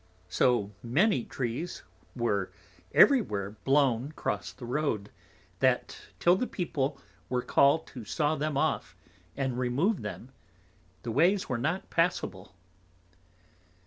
So many Trees were every where blown cross the Road, that till the People were call'd to saw them off, and remove them, the ways were not passable.